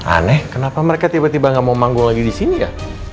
aneh kenapa mereka tiba tiba gak mau manggung lagi di sini ya